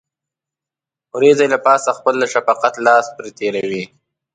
وريځې له پاسه خپل د شفقت لاس پرې تېروي.